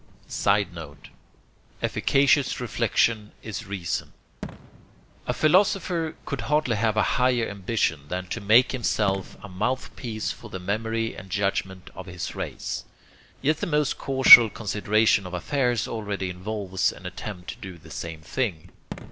[Sidenote: Efficacious reflection is reason.] A philosopher could hardly have a higher ambition than to make himself a mouth piece for the memory and judgment of his race. Yet the most casual consideration of affairs already involves an attempt to do the same thing.